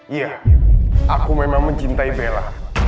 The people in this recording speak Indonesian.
iya aku memang mencintai bella